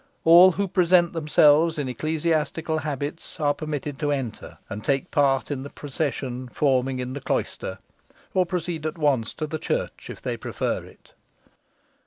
All who present themselves in ecclesiastical habits are permitted to enter, and take part in the procession forming in the cloister, or proceed at once to the church, if they prefer it.